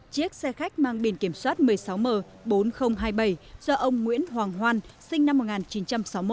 chiếc xe khách mang biển kiểm soát một mươi sáu m bốn nghìn hai mươi bảy do ông nguyễn hoàng hoan sinh năm một nghìn chín trăm sáu mươi một